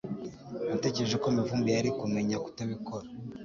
Natekereje ko Mivumbi yari kumenya kutabikora